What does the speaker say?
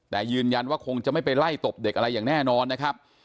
แต่ยืนยันว่าคงจะไม่ไปไล่ตบเด็กอะไรอย่างแน่นอนนะครับ